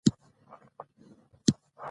جلګه د افغانستان د طبعي سیسټم توازن ساتي.